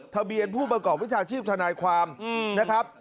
ทะเบียนผู้ประกอบวิชาชีพทนายความนะครับ